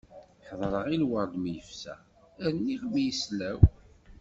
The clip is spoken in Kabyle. Ḥeḍreɣ i lwerḍ mi yefsa, rniɣ mi yeslaw.